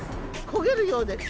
焦げるようです。